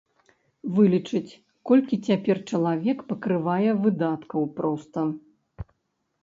Вылічыць, колькі цяпер чалавек пакрывае выдаткаў проста.